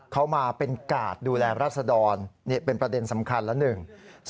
เขามาเป็นกาดดูแลรัศดรนี่เป็นประเด็นสำคัญแล้วหนึ่ง